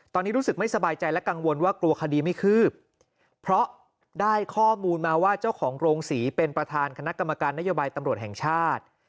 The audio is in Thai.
ตอนนี้รู้สึกไม่สบายใจและกังวลว่ากลัวคดีไม่คืบเพราะได้ข้อมูลมาว่าเจ้าของโรงศรีเป็นประธานคณะกรรมการนโยบายตำรวจแห่งชาติ